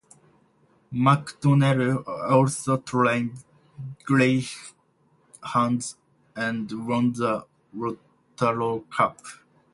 McDonnell also trained greyhounds and won the Waterloo cup.